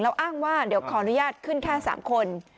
แล้วอ้างว่าเดี๋ยวขออนุญาตขึ้นแค่๓คน